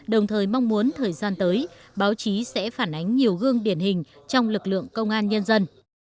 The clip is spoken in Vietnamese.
đồng thời mong muốn thời gian tới báo chí sẽ phản ánh nhiều gương điển hình trong lực lượng công an nhân dân